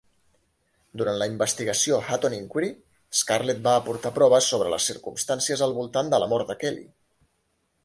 Durant la investigació Hutton Inquiry, Scarlett va aportar proves sobre les circumstàncies al voltant de la mort de Kelly.